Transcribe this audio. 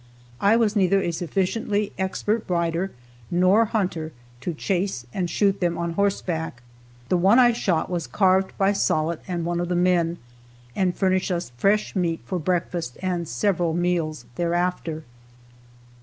I was neither a sufficiently expert rider nor hunter to chase and shoot them on horseback. The one I shot was carved by Sollitt and one of the men, and furnished us fresh meat for breakfast and several meals thereafter.